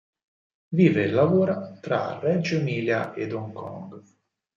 Vive e lavora tra Reggio Emilia e Hong Kong.